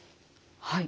はい。